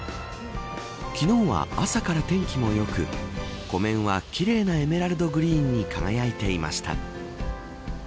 昨日は朝から天気も良く湖面は奇麗なエメラルドグリーンに輝いていました。